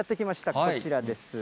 こちらです。